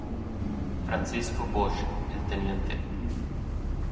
Francisco Bosch, el Tte.